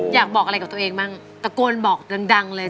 อยากบอกอะไรกับตัวเองบ้างตะโกนบอกดังเลย